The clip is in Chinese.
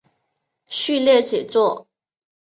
序列写作。